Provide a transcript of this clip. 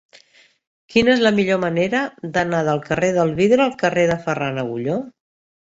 Quina és la millor manera d'anar del carrer del Vidre al carrer de Ferran Agulló?